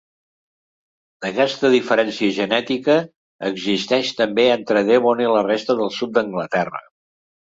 Aquesta diferència genètica existeix també entre Devon i la resta del sud d'Anglaterra.